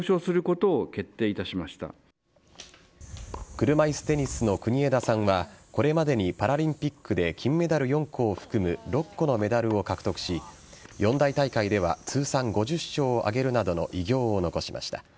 車いすテニスの国枝さんはこれまでにパラリンピックで金メダル４個を含む６個のメダルを獲得し四大大会では通算５０勝を挙げるなどの偉業を残しました。